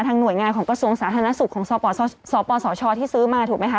หน่วยงานของกระทรวงสาธารณสุขของสปสชที่ซื้อมาถูกไหมคะ